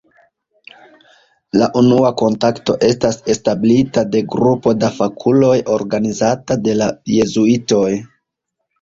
La unua kontakto estas establita de grupo da fakuloj organizata de la Jezuitoj.